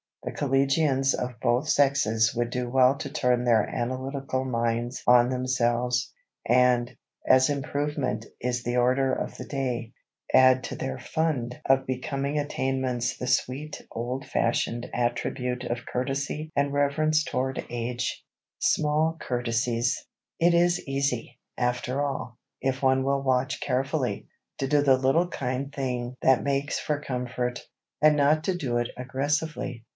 The collegians of both sexes would do well to turn their analytical minds on themselves, and, as improvement is the order of the day, add to their fund of becoming attainments the sweet old fashioned attribute of courtesy and reverence toward age. [Sidenote: SMALL COURTESIES] It is easy, after all, if one will watch carefully, to do the little kind thing that makes for comfort, and not do it aggressively.